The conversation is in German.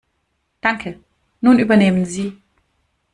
Danke. Nun übernehmen Sie.